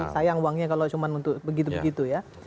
sayang uangnya kalau cuma untuk begitu begitu ya